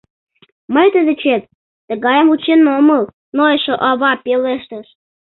— Мый тый дечет тыгайым вучен омыл, — нойышо ава пелештыш.